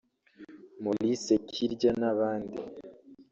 Maurice Kirya n’abandi